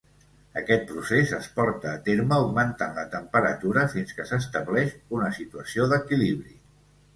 Aquest procés es porta a terme augmentant la temperatura fins que s'estableix una situació d'equilibri.